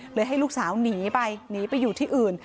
ให้ลูกสาวหนีไปหนีไปอยู่ที่อื่น